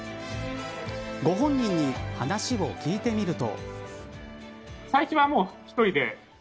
ご本人に話を聞いてみると。